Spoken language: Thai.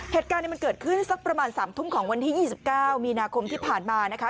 เหตุการณ์มันเกิดขึ้นสักประมาณ๓ทุ่มของวันที่๒๙มีนาคมที่ผ่านมานะคะ